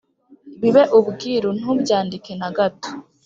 bibe ubwiru ntubyandike na gato